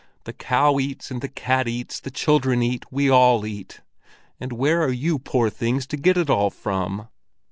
The cow eats, and the cat eats, the children eat, we all eat; and where are you, poor things, to get it all from!"